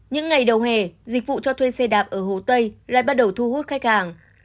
những ngày đầu hè dịch vụ cho thuê xe đạp ở hồ tây lại bắt đầu thu hút khách hàng